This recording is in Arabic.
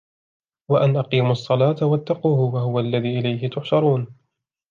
وَأَنْ أَقِيمُوا الصَّلَاةَ وَاتَّقُوهُ وَهُوَ الَّذِي إِلَيْهِ تُحْشَرُونَ